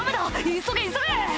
急げ急げ」